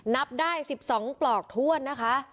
นับได้๑๒ปลอกถ้วนนะคะ